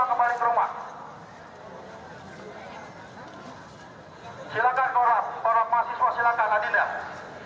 silakan adinda dikomunikasi dengan polisi yang berkumpul di sisi sebelah rel yang kita lihat dari sini